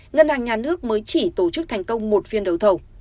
ngân hàng nhà nước mới chỉ tổ chức thành công một phiên đấu thầu